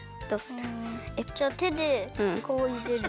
えっ？じゃあてでこういれる。